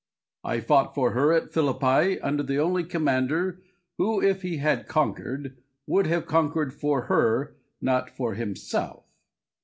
I fought for her at Philippi under the only commander, who, if he had conquered, would have conquered for her, not for himself.